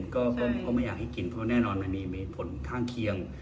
ก็ไม่อยากให้กินเพราะแน่นอนมันมีผลข้างเคียง